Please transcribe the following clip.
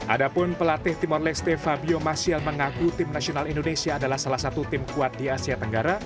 adapun pelatih timor leste fabio masil mengaku tim nasional indonesia adalah salah satu tim kuat di asia tenggara